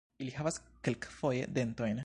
Ili havas kelkfoje dentojn.